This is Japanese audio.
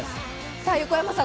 さあ横山さん